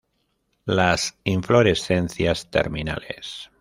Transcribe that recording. Las inflorescencias terminales.